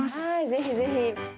ぜひぜひ。